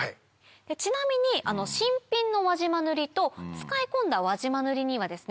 ちなみに新品の輪島塗と使い込んだ輪島塗にはですね